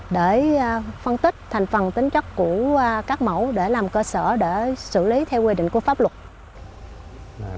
để phân tích thành phần tính chất của các mẫu để làm cơ sở để xử lý theo quy định của pháp luật